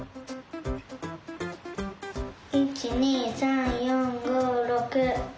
１２３４５６。